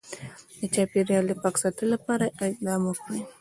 د چاپیریال د پاک ساتلو لپاره اقدام وکړي